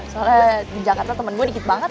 soalnya di jakarta temen gue dikit banget